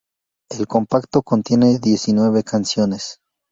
El compacto contiene diecinueve canciones.